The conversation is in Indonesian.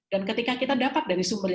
dan ketika kita dapat dari sumber